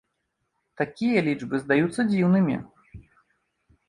Такія лічбы здаюцца дзіўнымі.